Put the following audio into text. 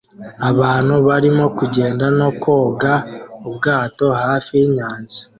Abantu barimo kugenda no koga ubwato hafi yinyanja